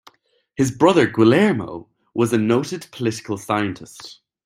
His brother Guillermo was a noted political scientist.